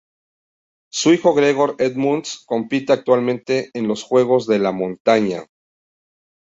Su hijo Gregor Edmunds compite actualmente en los juegos de la montaña.